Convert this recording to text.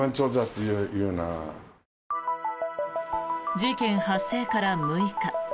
事件発生から６日。